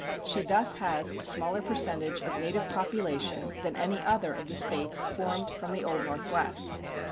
She thus has a smaller percentage of native population than any other of the States formed from the Old Northwest.